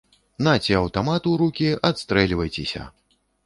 Наце аўтамат у рукі, адстрэльвайцеся!